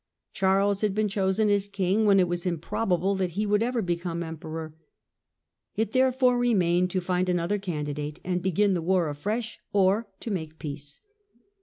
Charles had been chosen as king when it was improbable that he would ever become emperor. It therefore remained to find another candidate and begin the war afresh, or to make peace.